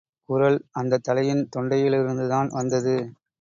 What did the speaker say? குரல், அந்தத் தலையின் தொண்டையிலிருந்துதான் வந்தது.